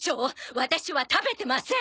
ワタシは食べてません！